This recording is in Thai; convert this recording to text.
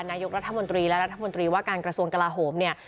นายกรัฐมนตรีและรัฐมนตรีว่าการกระทรวงกลาโหมเนี่ย